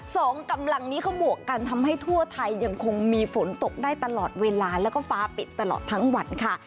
สองกำลังนี้เขาบวกกันทำให้ทั่วไทยยังคงมีฝนตกได้ตลอดเวลาแล้วก็ฟ้าปิดตลอดทั้งวันค่ะ